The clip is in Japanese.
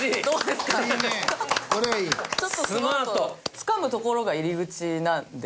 つかむところが入り口なので。